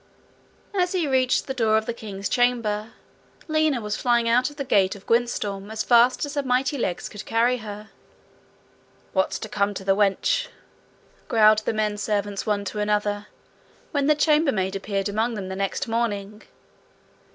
As he reached the door of the king's chamber, Lina was flying out of the gate of Gwyntystorm as fast as her mighty legs could carry her. 'What's come to the wench?' growled the menservants one to another, when the chambermaid appeared among them the next morning.